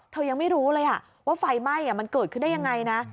ยังไม่รู้เลยว่าไฟไหม้มันเกิดขึ้นได้ยังไงนะ